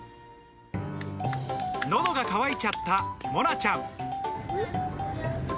のどが渇いちゃったもなちゃん。